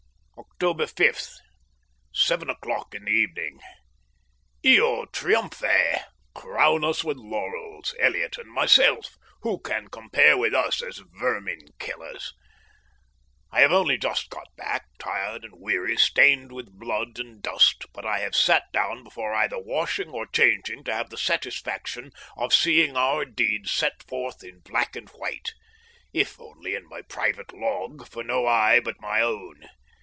October 5. Seven o'clock in the evening. Io triumphe! Crown us with laurel Elliott and myself! Who can compare with us as vermin killers? I have only just got back, tired and weary, stained with blood and dust, but I have sat down before either washing or changing to have the satisfaction of seeing our deeds set forth in black and white if only in my private log for no eye but my own.